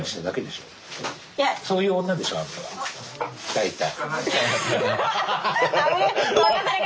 大体。